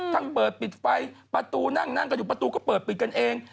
เปิดปิดไฟประตูนั่งนั่งกันอยู่ประตูก็เปิดปิดกันเอง